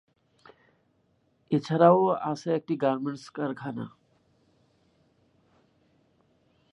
এছাড়াও আছে একটি গার্মেন্টস কারখানা।